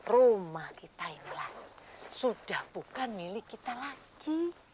rumah kita ini sudah bukan milik kita lagi